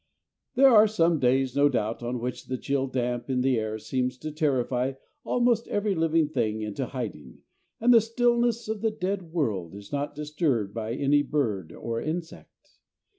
There are some days, no doubt, on which the chill damp in the air seems to terrify almost every living thing into hiding, and the stillness of the dead world is not disturbed by any bird or insect.